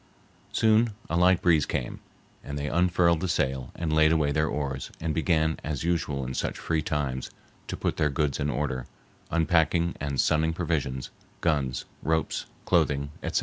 Soon a light breeze came, and they unfurled the sail and laid away their oars and began, as usual in such free times, to put their goods in order, unpacking and sunning provisions, guns, ropes, clothing, etc.